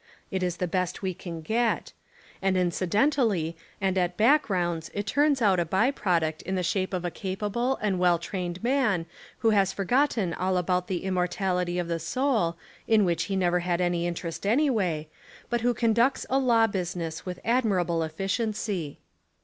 It Is the best we can get; and Incidentally, and at back rounds it turns out a bye product in the shape of a capable and well trained man who has forgotten all about the Immortality of the soul, in which he never had any Interest any way, but who conducts a law business with admirable efficiency.